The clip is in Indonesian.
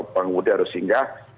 penghubungnya harus singgah